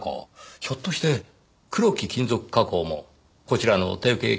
ひょっとしてクロキ金属加工もこちらの提携企業ですか？